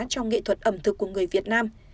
trong nghệ thuật ẩm thực của người việt nam